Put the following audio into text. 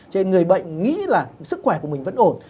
cho nên người bệnh nghĩ là sức khỏe của mình vẫn ổn